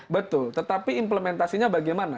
betul tetapi implementasinya bagaimana